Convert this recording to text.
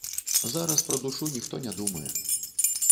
Зараз пра душу ніхто не думае.